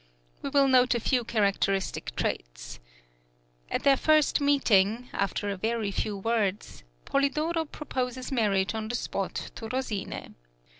We will note a few characteristic traits. At their first meeting, after a very few words, Polidoro proposes marriage on the spot to Rosine.